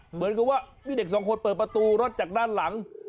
เหมือนกับว่ามีเด็กสองคนเปิดประตูรถจากด้านหลัง